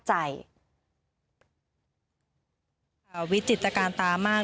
ในเวลาเดิมคือ๑๕นาทีครับ